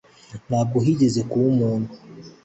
Ntabwo higeze kuba umuntu